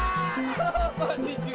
inyoman sudah di jual